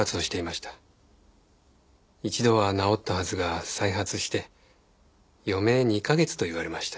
一度は治ったはずが再発して余命２カ月と言われました。